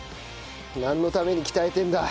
なんのために鍛えてるんだ？